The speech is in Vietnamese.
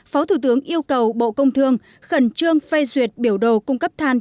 phó thủ tướng yêu cầu bộ công thương khẩn trương phê duyệt biểu đồ cung cấp than